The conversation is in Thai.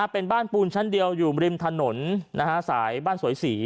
เป็นบ้านปูนชั้นเดียวอยู่ริมถนนสายบ้านสวยศรี